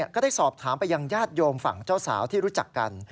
ก็ได้สอบถามไปยังญาติโยมฝั่งเจ้าสาวที่รู้จักกัน